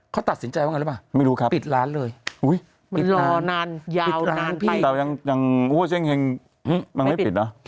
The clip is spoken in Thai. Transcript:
เขาตัดสินใจว่าไงหรือเปล่ามีรูปครับปิดร้านเลยมันรอนานยาวนานไปแต่ยังอุปสรรค์เช่นแห่งมันไม่ปิดล่ะ